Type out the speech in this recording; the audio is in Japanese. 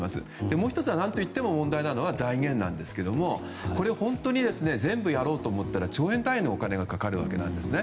もう１つ問題なのは財源なんですけれどもこれを本当に全部やろうと思ったら兆円単位のお金がかかるわけですね。